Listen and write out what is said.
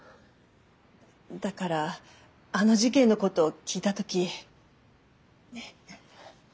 だからあの事件のこと聞いた時ねえ？